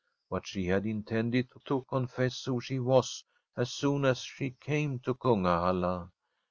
But she had intended to confess who she was as soon as she came to Kungahalla.